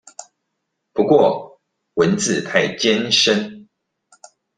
不過文字太艱深